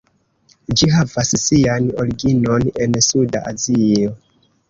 Ĝi havas sian originon en Suda Azio.